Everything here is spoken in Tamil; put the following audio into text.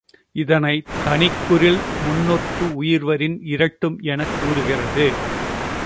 இதனை நன்னூல், தனிக் குறில் முன்ஒற்று உயிர்வரின் இரட்டும் எனக் கூறுகிறது.